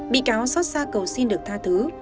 bị cáo xót xa cầu xin được tha thứ